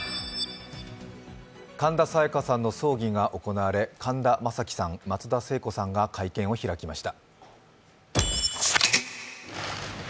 神田沙也加さんの葬儀が行われ、神田正輝さん、松田聖子さんが会見を開きました。